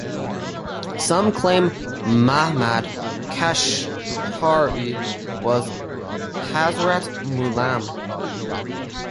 Some claim Mahmad Kashghari was Hazrat Mullam.